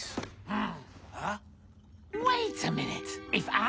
うん！